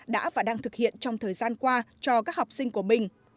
đã và đang thực hiện trong thời gian qua cho các học sinh của mình